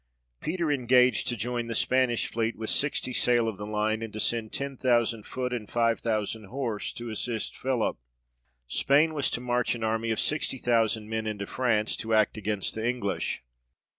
Peter engaged to join the Spanish fleet with sixty sail of the line, and to send ten thousand foot and five thousand horse to assist Philip. Spain was to march an army of sixty thousand men into France, to act against the English.